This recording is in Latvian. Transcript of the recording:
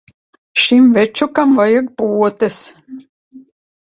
Šim večukam vajag potes.